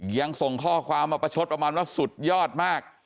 ยังส่งข้อความมาประชดประมาณว่าสุดยอดมาก